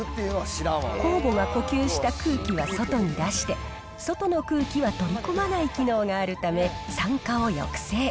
酵母が呼吸した空気は外に出して、外の空気は取り込まない機能があるため、酸化を抑制。